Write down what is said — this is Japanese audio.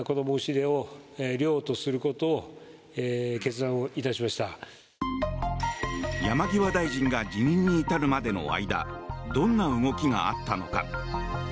辞任を受けて、岸田総理は。山際大臣が辞任に至るまでの間どんな動きがあったのか。